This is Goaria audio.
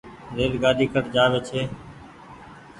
ريل گآڏي ڪٺ جآوي ڇي۔